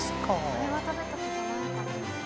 「これは食べた事ないかも」